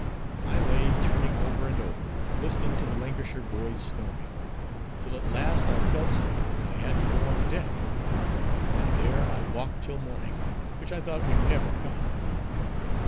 I lay turning over and over, listening to the Lancashire boy's snoring, till at last I felt so, that I had to go on deck; and there I walked till morning, which I thought would never come.